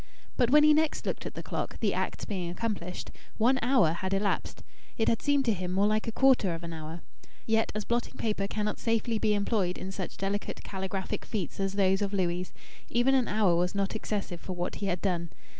But when he next looked at the clock, the acts being accomplished, one hour had elapsed; it had seemed to him more like a quarter of an hour. Yet as blotting paper cannot safely be employed in such delicate calligraphic feats as those of Louis', even an hour was not excessive for what he had done.